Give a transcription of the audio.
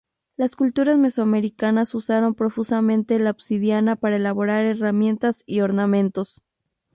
Las culturas mesoamericanas usaron profusamente la obsidiana para elaborar herramientas y ornamentos.